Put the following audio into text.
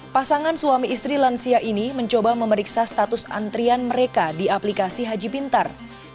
pasangan suami istri lansia ini mencoba memeriksa status antrian mereka di aplikasi haji pintar